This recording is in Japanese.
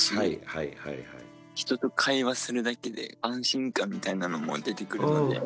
人と会話するだけで安心感みたいなのも出てくるので。